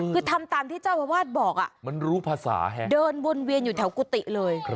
คือทำตามที่เจ้าอาวาสบอกมันรู้ภาษาเดินวนเวียนอยู่แถวกุฏิเลย